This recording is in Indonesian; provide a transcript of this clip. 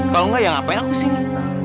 kalau enggak ya ngapain aku sini